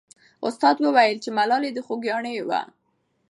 استاد وویل چې ملالۍ د خوګیاڼیو وه.